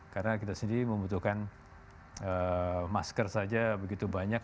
karena kita sendiri membutuhkan masker saja begitu banyak